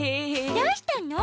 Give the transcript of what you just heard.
どうしたの？